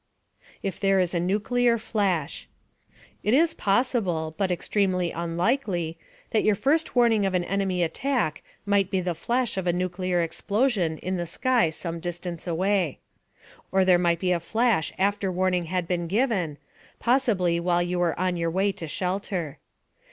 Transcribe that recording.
IF THERE IS A NUCLEAR FLASH It is possible but extremely unlikely that your first warning of an enemy attack might be the flash of a nuclear explosion in the sky some distance away. Or there might be a flash after warning had been given, possibly while you were on your way to shelter.